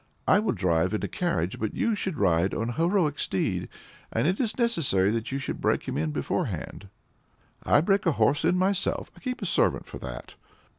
I will drive in a carriage, but you should ride on a heroic steed, and it is necessary that you should break him in beforehand." "I break a horse in myself! I keep a servant for that."